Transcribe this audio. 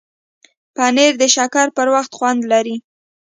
پنېر د شکر پر وخت خوند لري.